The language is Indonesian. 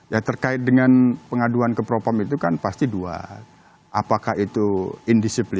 ya terkait dengan pengaduan ke propam itu kan pasti dua apakah itu indisipliner atau pelanggaran kode etik profesi